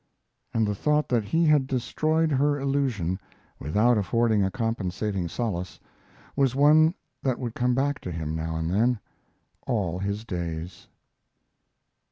And the thought that he had destroyed her illusion, without affording a compensating solace, was one that would come back to him, now and then, all his days.